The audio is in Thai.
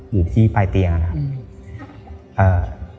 อยู่ที่ปลายเตียงนะครับ